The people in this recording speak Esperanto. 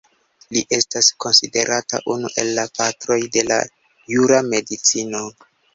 Li estas konsiderata unu el la patroj de la jura medicino.